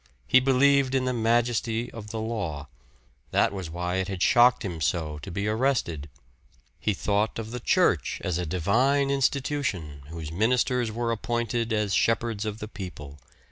He believed in the majesty of the law that was why it had shocked him so to be arrested. He thought of the church as a divine institution, whose ministers were appointed as shepherds of the people.